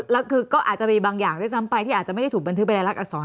แล้วก็อาจจะมีบางอย่างที่สำไปที่อาจจะไม่ถูกบันทึกไปและรักษร